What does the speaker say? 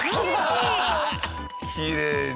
きれいに。